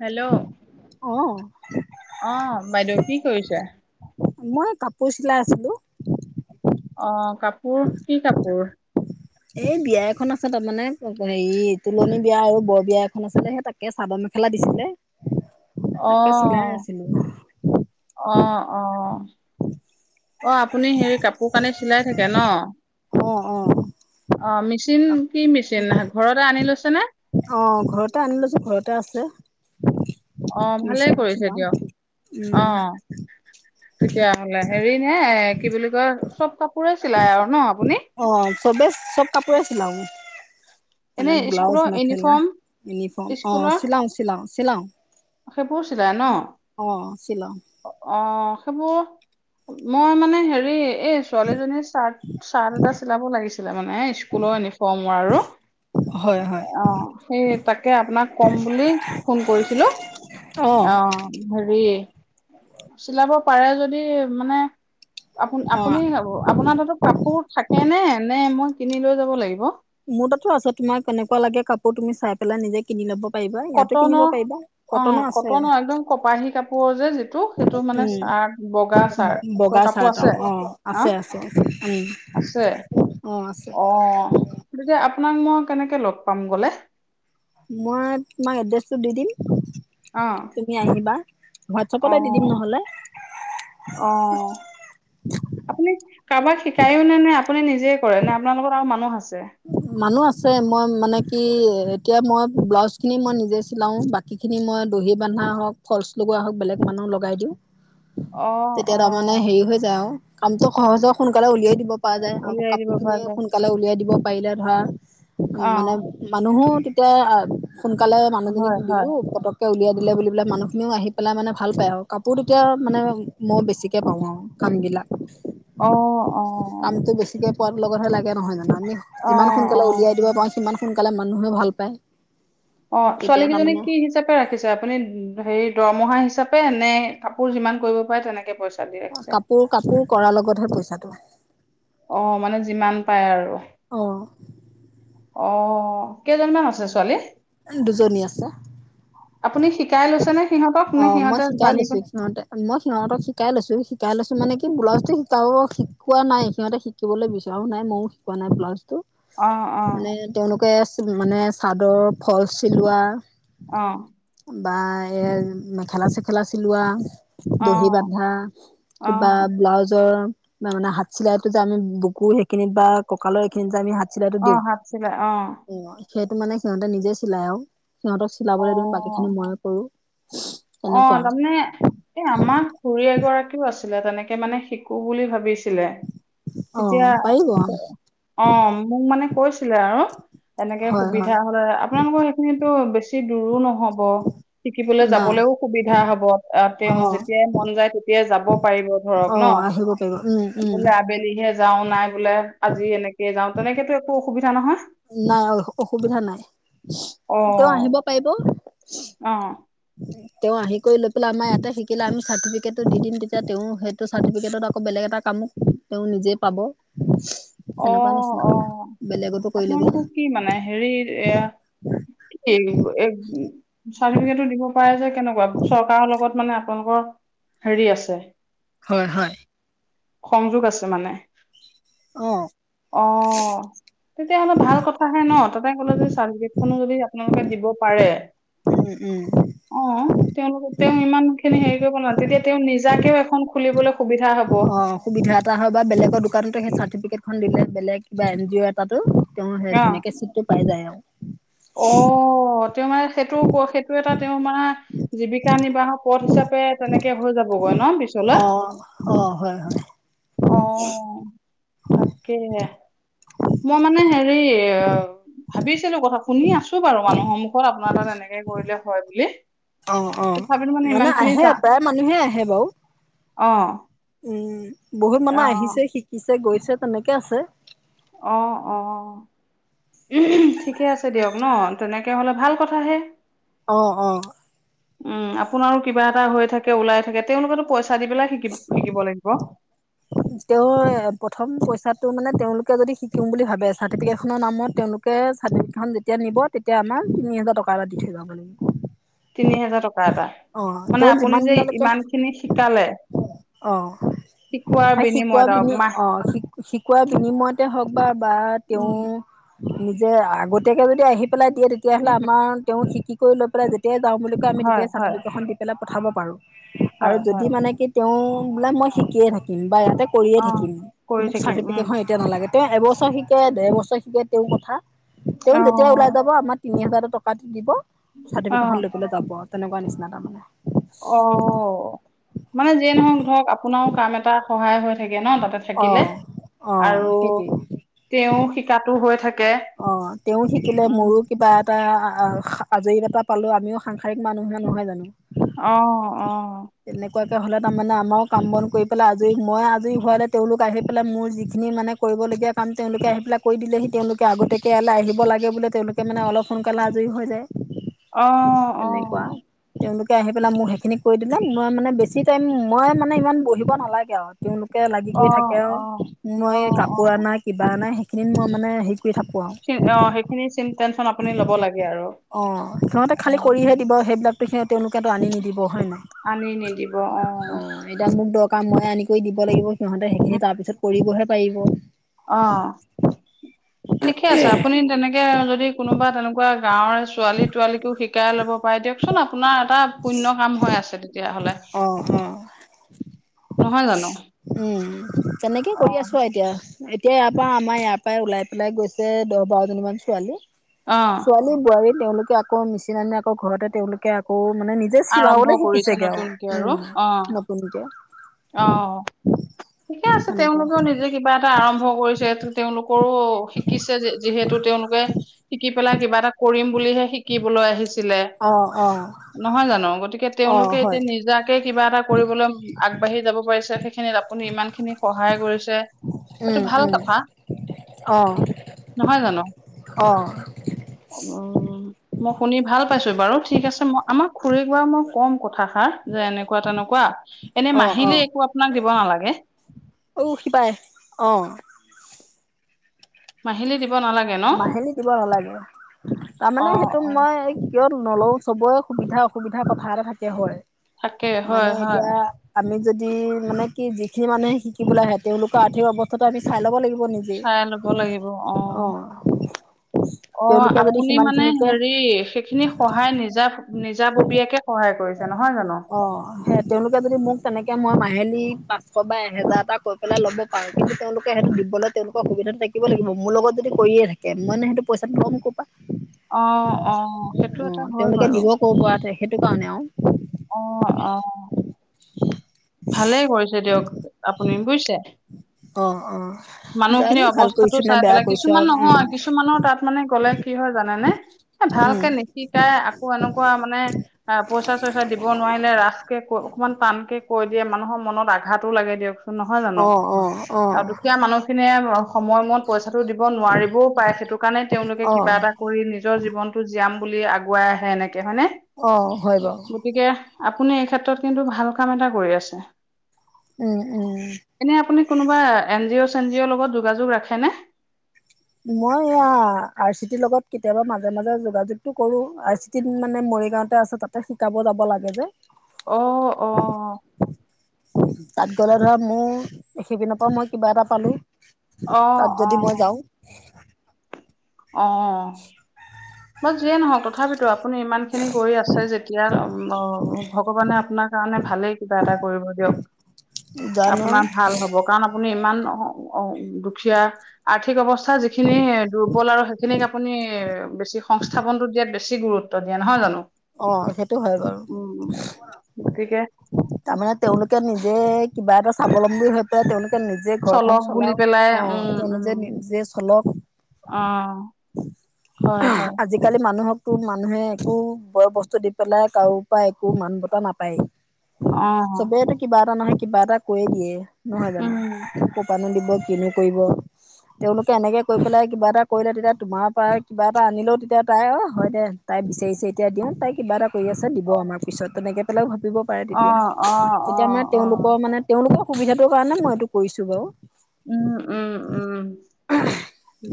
Hello? অ' অ' বাইদেউ কি কৰিছে? মই কাপোৰ চিলাই আছিলো। অ' কাপোৰ কি কাপোৰ? এই বিয়া এখন আছে তাৰমানে, হেৰি তোলনি বিয়া আৰু বৰ বিয়া এখন আছিলে। সেই তাকে তাকে চাবৰ মেখেলা দিছিলে। উম। তাকে চিলাই অ', আছিলো। অ', অ', অ'। আপুনি হেৰি কাপোৰ কানি চিলাই থাকে ন? অ', অ'। অ', মেচিন কি মেচিন, ঘৰতে আনি লৈছেনে? অ', ঘৰতে আনি লৈছোঁ, ঘৰতে আছে। অ', ভালেই মেচিনত কৰিছে চিলাও। দিয়ক, উম, অ'। তেতিয়াহ'লে হেৰিনে, এ কি বুলি কয়, চব কাপোৰে চিলাই আৰু ন' আপু অ', চবেই, চব কাপোৰে চিলাওঁ। এনে মানে ব্লাউজ, স্কুলৰ মেখেলা, ইউনিফৰ্ম ইউনিফম অ', চিলাওঁ চিলাওঁ, চিলাওঁ। সেইবোৰো চিলাই ন? চিলাও অ', সেইবোৰ মই মানে হেৰি এই ছোৱালীজনীৰ চাৰ্ট, চাৰ্ট এটা চিলাব লাগিছিলে, মানে ইস্কুলৰ ইউনিফৰ্মৰ আৰু। হয় হয় অ', সেই তাকে, আপোনাক কম বুলি ফোন কৰিছিলোঁ। অ'। অ', হেৰি চিলাব পাৰে যদি, মানে অ' আপুন-আপুনি আপোনাৰ তাতো কাপোৰ থাকেনে, নে মই কিনি লৈ যাব লাগিব? মোৰ তাতো আছে, তোমাৰ কেনেকুৱা লাগে কাপোৰ তুমি চাই পেলাই নিজে কিনি ল'ব পাৰিবা। ইয়াতো কিনিব কটনৰ পাৰিবা, অ', কটনো আছে। কটনৰ একদম কপাহী কাপোৰৰ যে, যি টো সেইটো মানে চাৰ্ট, বগা উম চাৰ্টতৰ বগা কাপোৰ চাৰ্ট আছে অ অ আ? আছে আছে উম আছে, অ আছে অ', এতিয়া আপোনাক মই কেনেকে লগ পাম গ'লে? মই তোমাক এড্ৰেছটো দি দিম। অ', তুমি আহিবা, হোৱাটছএপতে দি দিম অ', নহ'লে। অ'। আপুনি কাৰবাক শিকায়োনে? নে আপুনি নিজে কৰে, নে, আপোনাৰ লগত আৰু মানুহ আছে? মানুহ আছে, মই মানে কি এতিয়া মই ব্লাউজখিনি মই নিজে চিলাওঁ, বাক কিখিনি মই দহি বান্ধা হওঁক, ফলচ লগোৱা হওঁক, বেলেগ মানুহ লগাই দিওঁ। [inaudible] অ', তেতিয়া তাৰমানে অ', হেৰি হৈ যায় আৰু, কামটো সহজ হৈ সোনকালে উলিয়াই দিব। পৰা যায় আৰু, উলিয়াই দিব কাপোৰ পৰা খিনিয়ে সোন যায়। সোনকালে উলিয়াই দিব পাৰিলে ধৰা, অ মানে মানুহো তেতিয়া আ সোনকালে মানুহজনীক হয়, হয়। দিলোঁ, পতক কে উলিয়াই দিলে বুলি পেলাই, মানুহখিনিও আহি পেলাই মানে ভাল পায় আৰু, কাপোৰ তেতিয়া মানে মই বেছিকে পাওঁ আৰু। কামবিলাক, অ', অ', কামটো বেছিকে পোৱাৰ লগতহে লাগে নহয় জানোঁ? আমি যিমান অ', সোনকালে অ', উলিয়াই দিব পাৰোঁ, সিমান সোনকালে মানুহে ভাল পায়। অ', ছোৱালী তেতিয়া কিজনীক তাৰমানে কি হিচাপ ৰাখিছে? আপুনি হেৰি দৰমহা হিচাপে নে, কাপোৰ যিমান কৰিব পাৰে তেনেকে পইচ কাপোৰ, কাপোৰ কৰাৰ লগতহে পইচাটো। অ', মানে যিমান পায় আৰু। অ অ', কেইজনীমান আছে ছোৱালী? দুজনী আছে। আপুনি শিকাই লৈছেনে সিহঁতক? অ নে মই সিহঁতে শিকাই জানি পে লৈছো সিহঁতে মই সিহঁতক শিকাই লৈছোঁ, শিকাই লৈছোঁ মানে কি ব্লাজটো শিকাব শিকোৱা নাই, সিহঁতে শিক শিকিবলৈ বিচৰাও নাই, ময়ো শিকোৱা নাই ব্লাউজটো। অ অ মানে তেওঁলোকে মানে, চাদৰ ফলচ চিলোৱা অ'। বা এ মেখেলা, চেখেলা চিলোৱা। অ অ দহি বান্ধা, অ কিবা ব্লাউজৰ বা মানে হাত চিলাইতো যে, আমি বুকুৰ সেইখিনিত বা কঁকালৰ এইখিনিত যে, আমি হাত চিলাইটো অ দিওঁ হাত চিলাই অ অ', সেইটো মানে সিহঁতে নিজে চিলাই আৰু। সিহঁতক অ চিলাবলৈ দিও, বাকীখিনি মইয়ে কৰোঁ। অ, তাৰমানে এ আমাৰ খুৰী এগৰাকীও আছিলে তেনেকে মানে শিকো বুলি ভাবিছিলে অ তেতিয়া পাৰিব অ, মোক মানে কৈছিলে আৰু এনেকে হয় হয় সুবিধা হলে আপোনালোকৰ সেইখিনিতো বেছি দূৰো নহ'ব শিকিবলৈ নাই যাবলৈও সুবিধা হব [unintelligible] অ তেওঁ যেতিয়াই মন যায় তেতিয়াই যাব পাৰিব ধৰক অ ন আহিব পাৰিব উম, উম। বোলে আবেলিহে যাওঁ, নাই বোলে আজি এনেকে যাওঁ, তেনেকেতো একো অসুবিধা নহয়? নাই অ, অসুবিধা নাই, অ তেওঁ আহিব পাৰিব। অ। [inaudible] তেওঁ আহি কৰি লৈ পেলাই আমাৰ ইয়াতে শিকিলে আমি চাৰ্টিফিকেটো দি দিম তেতিয়া তেওঁ সেইটো চাৰ্টিফিকেটত আকৌ বেলেগ এটা কামো তেওঁ নিজে পাব, অ তেনেকুৱা অ নিচিনা। বেলেগতো কৰি ল'ব আপোনালোকক কি মানে হেৰি এইয়া [unintelligible] চাৰ্টিফিকেটো দিব পাৰে যে কেনেকুৱা চৰকাৰৰ লগত মানে আপোনালোকৰ হেৰি আছে? হয়, হয়। সংযোগ আছে মানে। অ। অ। তেতিয়াহ'লে ভাল কথাহে ন, তাতে কলে যদি চাৰ্টিফিকেটখনো যদি আপোনালোকে দিব পাৰে, উম, উম। অ। [unintelligible] তেওঁ ইমান খিনি হেৰি কৰিব নালাগে তেতিয়া তেওঁ নিজাকেও এখন খুলিবলৈ সুবিধা হব। অ, সুবিধা এটা হয় বা বেলেগৰ দোকানতো সেই চাৰ্টিফিকেটখন দিলে কিবা এন জি অ' তাতো তেওঁ সেই অ ধুনীয়াকে চিটটো পাই যায় আৰু। অ, তেওঁ মানে সেইটো [unintelligible] সেইটো এটা তেওঁ মানে জীৱিকা নিৰ্বাহক পথ হিচাপে তেনেকে হৈ যাবগৈ ন পিছলৈ? অ অ হয় হয় অ, তাকেহে মই মানে হেৰি অ ভাবিছিলোঁ কথা, শুনি আছোঁ বাৰু মানুহৰ মুখত আপোনাৰ তাত এনেকে কৰিলে হয় বুলি। অ অ তথাপিতো ইমান মানে খিনি আহে প্ৰায় মানুহে আহে বাৰু অঁ উম, বহুত মানুহ আহিছে, শিকিছে, গৈছে তেনেকে আছে। অ অ [unintelligible] ঠিকে আছে দিয়ক ন তেনেকে হ'লে ভাল কথাহে। অ অ। উম আপোনাৰো কিবা এটা হৈ থাকে ওলাই থাকে তেওঁলোকেতো পইচা পেলাই শিকি শিকিব লাগিব ব তেওঁৰ প্ৰথম পইচাটো মানে তেওঁলোকে যদি শিকিম বুলি ভাবে চাৰ্টিফিকেট খনৰ নামত তেওঁলোক [unintelligible] চাৰ্টিফিকেট খন যেতিয়া নিব তেতিয়া আমাক তিনি হাজাৰ টকা এটা দি থৈ যাব লাগিব। তিনি হেজাৰ টকা এটা অ', মানে তেওঁ যিমান আপুনি যে দিনলৈকে ইমান খিনি শিকালে অ শিকোৱাৰ শিকোৱা আৰু বিনিময়ত মাহ অ শি শিকোৱা বিনিময়তে হওক বা বা তেওঁ উম জা নিজে আগতীয়াকে যদি আহি পেলাই দিয়ে তেতিয়াহলে উম আমাৰ তেওঁ শিকি কৰি লৈ পেলাই যেতিয়াই যাওঁ বুলি কয় আমি হয় তেতিয়াই হয় চাৰ্টিফিকেটখন দি পেলাই পঠাব পাৰো আৰু হয় হয় যদি মানে কি তেওঁ বোলে মই শিকিয়ে থাকিম বা ইয়াতে কৰিয়ে অ থাকিম কৰি মোক থাকিম উম চাৰ্টিফিকেটখন তেতিয়া নালাগে তেওঁ এবছৰ শিকে, দেৰ বছৰ শিকে তেওঁৰ কথা তেওঁ অ যেতিয়া ওলাই যাব আমাৰ তিনি হাজাৰ টকা দিব অ চাৰ্টিফিকেন লৈ পেলাই যাব তেনেকোৱা নিচিনা তাৰমানে। অ মানে যিয়ে নহওক ধৰক আপোনাৰো কাম এটা সহায় হৈ থাকে ন তাতে অ থাকিলে অ আৰু সেইটোৱে তেওঁ শিকাতো হৈ থাকে অ তেওঁ শিকিলে উম মোৰো কিবা এটা আজৰি এটা পালো আমিও সাংসাৰিক মানুহে নহয় জানো অ অ তেনেকোৱাকে হ'লে তাৰমানে আমাৰো কাম বন কৰি পেলাই আজৰি মই আজৰি হোৱালে তেওঁলোক আহি পেলাই মোৰ যিখিনি মানে কৰিবলগীয়া কাম তেওঁলোকে আহি পেলাই কৰি দিলেহি তেওঁলোক আগতীয়াকৈ ইয়ালে আহিব লাগে বোলে তেওঁলোকে মানে অলপ সোনকালে আজৰি হৈ যায়। অ অ তেনেকুৱা তেওঁলোকে আহি পেলাই মোৰ সেইখিনি কৰি দিলে মই মানে বেছি টাইম মই মানে ইমান বহিব নালাগে আও তেওঁলোকে লাগি অ কৰি থাকে অ আৰু অ মই অ কাপোৰ আনা কিবা আনাা সেইখিনিত মই মানে সেই কৰি থাকো আও অ সেইখিনি চি টেনচন আপুনি ল'ব লাগে আৰু অঁ সিহঁতে অ খালী কৰিহে দিব সেইবিলাক গতিকে তেওঁলোকেতো আনি নিদিব হয় নাই আনি নিদিব অ অ এতিয়া মোক দৰকাৰ ময়ে আনি কৰি দিব লাগিব সিহঁতে উম সেইখিনি তাৰপিছত কৰিবহে পাৰিব। অ ঠিকে আছে আপুনি তেনেকে যদি কোনোবা তেনেকোৱা গাঁৱৰ ছোৱালী তোৱালীকো শিকাই ল'ব পাৰে দিয়ক চোন আপোনাৰ এটা পুণ্য কাম হৈ আছে তেতিয়াহলে নহয় জানো উম তেনেকে অ কৰি আছো আও এতিয়া এতিয়া ইয়াৰ পৰা আমাৰ ইয়াৰ পৰাই ওলাই পেলাই গৈছে দহ বাৰজনীমান ছোৱালী অ ছোৱালী বোৱাৰী তেওঁলোকে আকৌ মিচিন আনে, আকৌ ঘৰতে তেওঁলোকে আকৌ মানে নি যে আৰম্ভ চিলাবলে কৰিছে শিকিছেগে নতুনকে আৰু অ উ নতুনকে অ ঠিকে আছে সেনেকে তেওঁলোকেও নিজে কিবা এ টা আৰম্ভ কৰিছে তেওঁলোকৰো শিকিছে যিহেতু তেওঁলোকে শিকি পেলাই কিবা এটা কৰিম বুলিহে শিকিবলৈ আহি ছিলে অ অ নহয় জানো গতিকে অ তেওঁলোকে হয় এতিয়া নিজাকে কিবা এটা কৰিবলৈ আগবাঢ়ি যাব পাৰিছে সেই সেইখিনিত আপুনি ইমানখিনি সহায় কৰিছে এইটো উম ভাল উম কথা। অ নহয় অ উ মই শুনি ভাল পাইছো বাৰু ঠিক আছে মই আমাক খুুৰিক বা মই ক'ম কথাষাৰ যে এনেকোৱা তেনেকোৱা এনে অ মাহিলী একো আপোনাক দিব নালাগে অ সিপাৰে অ মাহিলী দিব নালাগে ন? মাহিলী দিব নালাগে তাৰমানে অ', সেইটো অ', মই কিয় নলও চবৰে সুবিধা অসুবিধা কথা এটা থাকে হয় তাকে হয়, মানে হয় এতিয়া আমি যদি মানে কি যিখিনি মানুহে শিকিবলে আহে তেওঁলোকৰ আৰ্থিক অৱস্থাটো আমি চাই ল'ব লাগিব নেকি? চাই লব লাগিব অ। অ তেওঁলোকে যদি আপুনি সিমান মানে খিনিকে হেৰি সেইখিনি সহায় নিজা নিজা ববীয়াকে সহায় কৰিছে নহয় জানো? অ সেই তেওঁলোকে যদি মোক তেনেকে মই মাহিলী পাঁচশ বা এহেজাৰ এটা কৈ পেলাই ল'ব পাৰো কিন্তু তেওঁলোকে সেইটো দিবলৈ তেওঁলোকৰ সুবিধাটো থাকিব লাগিব মোৰ লগত যদি কৰিয়ে থাকে মইনো সেইটো পইচাটো লম কৰ পা অ অ সেইটো এটা হয় বাৰু ক' পৰা সেইটো কাৰণে আৰু। অ অ উ ভালেই কৰিছে দিয়ক আপুনি বুইছে। অ অ জানো মানুহখিনিৰ ভাল অৱস্থাটো কৰিছো নে চাই বেয়া পেলাই কৰিছো কিছুমান আৰু উম নহয় কিছুমানৰ তাত মানে গ'লে কি হয় জানেনে এ উম ভালকে নি শিকাই আকৌ এনেকুৱা মানে পইচা চইচা দিব নোৱাৰিলে ৰাফকে কয় অকমান টানকে কৈ দিয়ে মানুহৰ মনত আঘাতো লাগে দিয়কচোন নহয় জানো অ অ অ আৰু দুখীয়া মানুহ খিনিয়ে সময়মত পইচাটো দিব নোৱাৰিবও পাৰে সেইটো কাৰণে তেওঁলোকে অ কিবা এটা কৰি নিজৰ জীৱনতো জীয়াম বুলি আগুৱাই আহে এনেকে হয়নে অ হয় বাৰু গতিকে আপুনি এই ক্ষেত্ৰত কিন্তু ভাল কাম এটা কৰি আছে। উম উম এনে আপুনি কোনোবা এন জি অ' চেন জি অ' লগত যোগাযোগ ৰাখে নে? মই এয়া আৰ চি টিৰ লগত কেতিয়াবা মাজে মাজে যোগাযোগটো কৰো আৰ চি টি মানে মৰিগাঁওতে আছে তাতে শিকাব যাব লাগে যে। অ অ তাত গ'লে ধৰা মোৰ সেইপিনৰ পৰা মই কিবা এটা পালো অ তাত অ যদি মই যাওঁ অ বাৰু যিয়ে নহওক তথাপিতো আপুনি ইমান খিনি কৰি আছে যেতিয়া ভগৱানে আপোনাক কাৰণে ভালেই কিবা এটা কৰিব দিয়ক জানো আপোনাৰ ভাল হ'ব কাৰণ আপুনি ইমান অ অ দুখীয়া আৰ্থিক অৱস্থা যিখিনি দুৰ্বল আৰু সেইখিনিক আপুনি বেছি সংস্থাপনটো দিয়াত বেছি গুৰুত্ব দিয়ে নহয় জানো? অ সেইটো হয় উম বাৰু গতিকে তাৰমানে তেওঁলোকে নিজে কিবা এটা স্বাৱলম্বী হৈ পেলাই তেওঁলোকে নিজ জে চলক ঘৰখন বুলি চলাওক পেলাই উম উম তেওঁলোকে নিজে চলক অ হয় হয় আজি-কালি মানুহকটো মানুহে একো বয় বস্তু দি পেলাই কাৰো পৰা একো মান বঁটা নাপায়েই। অ চবেই দেখি কিবা এটা নহয় কিবা এটা কৈয়ে দিয়ে নহয় জানো উম ক'পা নো দিব কিনো কৰিব তেওঁলোকে এনেকে কৰি পেলাই কিবা এটা কৰিলে তেতিয়া তোমাৰ পৰা কিবা এটা আনিলেও তেতিয়া তাই অ হয় দে তাই বিচাৰিছে এতিয়া দিওঁ তাই কিবা এটা কৰি আছে দিব আমাৰ পিছত তেনেকৈ পেলাইও ভাবিব পাৰে অ তেতিয়া অ অ তেতিয়া মানে অ তেওঁলোকৰ মানে তেওঁলোকৰ সুবিধাৰ কাৰণে মই এইটো কৰিছো বাৰু। উম উম উম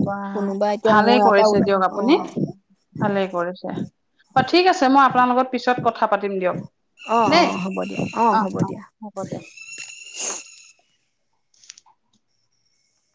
ৱাহ কোনোবা এতিয়া মোৰ ভালেই ইয়াৰ পৰা কৰিছে ওলাই দিয়ক অ আপুনি। ভালেই কৰিছে অ' ঠিক আছে, মই আপোনাৰ লগত পিছত কথা পাতিম দিয়ক অ অ দেই হ'ব দিয়া অ' হ'ব অ' দিয়া। হ'ব দিয়ক।